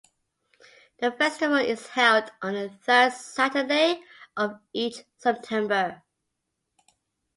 The festival is held on the third Saturday of each September.